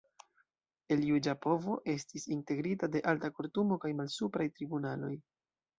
El Juĝa Povo estis integrita de Alta Kortumo, kaj malsupraj tribunaloj.